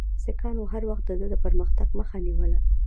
سیکهانو هر وخت د ده د پرمختګ مخه نیوله.